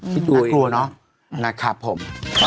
ที่ตัวเองนะครับผม